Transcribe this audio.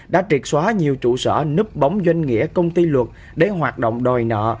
đã triệt xóa nhiều trụ sở núp bóng doanh nghĩa công ty luật để hoạt động đòi nợ